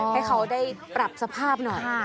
ให้เขาได้ปรับสภาพหน่อย